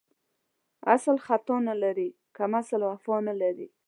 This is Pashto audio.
اسل ختا نه لري ، کمسل وفا نه لري.